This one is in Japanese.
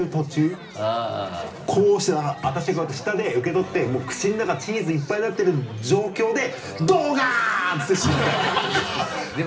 こうしてだから私がこうやって下で受け取ってもう口の中チーズいっぱいになってる状況でドカン！っていって死にたいね。